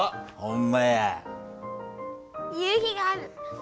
夕日がある。